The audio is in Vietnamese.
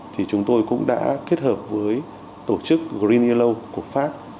thì chúng tôi cũng đã kết hợp với tổ chức green ilo của pháp